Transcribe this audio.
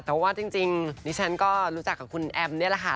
แต่ว่าจริงดิฉันก็รู้จักกับคุณแอมนี่แหละค่ะ